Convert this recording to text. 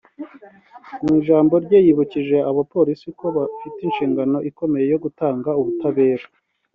Mu ijambo rye yibukije abo bapolisi ko bafite inshingano ikomeye yo gutanga ubutabera